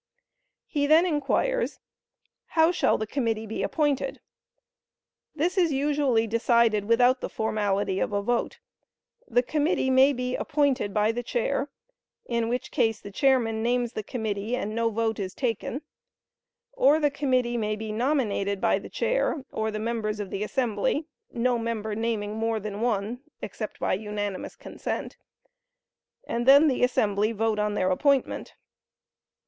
He then inquires, "How shall the committee be appointed?" This is usually decided without the formality of a vote. The committee may be "appointed" by the Chair—in which case the chairman names the committee and no vote is taken; or the committee may be "nominated" by the Chair, or the members of the assembly (no member naming more than one, except by unanimous consent), and then the assembly vote on their appointment.